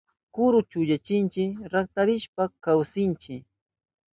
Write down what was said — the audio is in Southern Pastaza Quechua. Kuru chukchanchipi ratarishpan chawsinchi.